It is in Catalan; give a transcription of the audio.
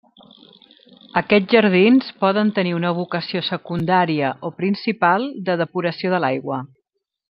Aquests jardins poden tenir una vocació secundària o principal de depuració de l'aigua.